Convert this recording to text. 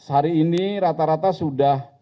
hari ini rata rata sudah